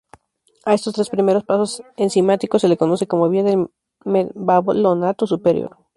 A estos tres primeros pasos enzimáticos se los conoce como vía del mevalonato superior.